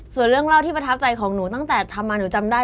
ส่วนเรื่องเล่าที่ประทับใจของหนูตั้งแต่ทำมาหนูจำได้